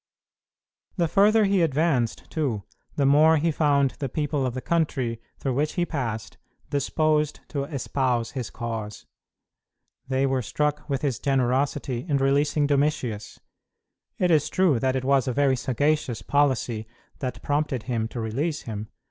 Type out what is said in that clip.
The further he advanced, too, the more he found the people of the country through which he passed disposed to espouse his cause. They were struck with his generosity in releasing Domitius. It is true that it was a very sagacious policy that prompted him to release him.